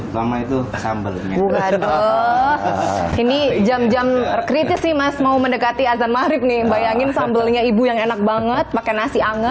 kita berbuka sini semuanya nih